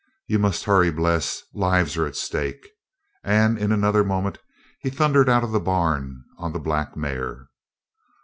"You must hurry, Bles; lives are at stake." And in another moment he thundered out of the barn on the black mare.